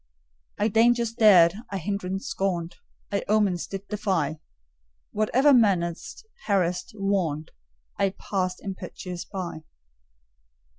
I dangers dared; I hindrance scorned; I omens did defy: Whatever menaced, harassed, warned, I passed impetuous by.